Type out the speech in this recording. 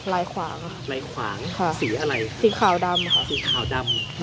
ลายขวางค่ะลายขวางค่ะสีอะไรสีขาวดำค่ะสีขาวดำ